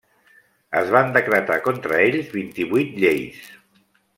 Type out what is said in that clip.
Es van decretar contra ells vint-i-vuit lleis.